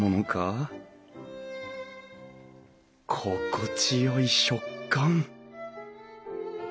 心地よい食感！